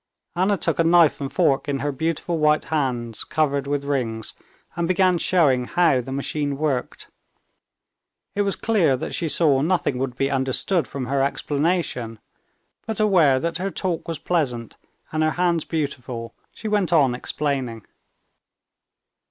Anna took a knife and fork in her beautiful white hands covered with rings, and began showing how the machine worked. It was clear that she saw nothing would be understood from her explanation; but aware that her talk was pleasant and her hands beautiful she went on explaining.